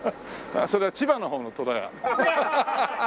それは千葉の方の虎屋。